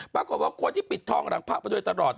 ปรากฏว่าก็ที่ปิดทองหลังผักโดยตลอด